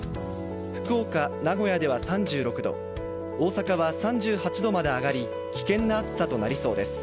福岡、名古屋では３６度、大阪は３８度まで上がり危険な暑さとなりそうです。